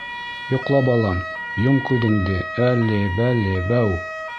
— Йоҡла, балам, йом күҙеңде, әлли-бәлли, бәү!